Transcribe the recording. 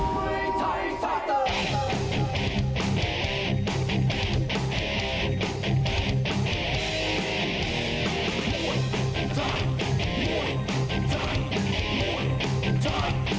มุมแดงเต้นจังมุมจักรมุมอาจารย์